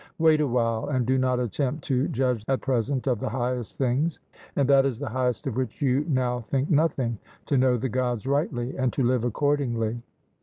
Wait awhile, and do not attempt to judge at present of the highest things; and that is the highest of which you now think nothing to know the Gods rightly and to live accordingly.